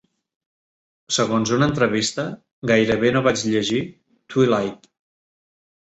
Segons una entrevista, "Gairebé no vaig llegir "Twilight"".